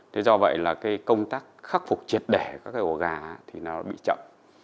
thế do vậy là cái công tác khắc phục triệt để các cái ổ gà thì nó bị chậm